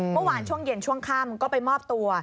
เมื่อวานช่วงเย็นช่วงค่ำก็ไปมอบตัว